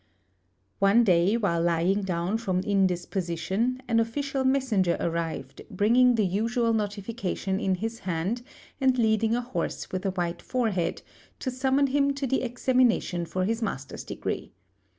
One day, while lying down from indisposition, an official messenger arrived, bringing the usual notification in his hand and leading a horse with a white forehead, to summon him to the examination for his master's degree.